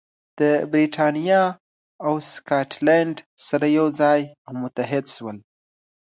برېټانیا او سکاټلند سره یو ځای او متحد شول.